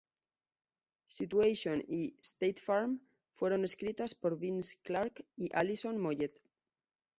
Situation y State Farm fueron escritas por Vince Clarke y Alison Moyet.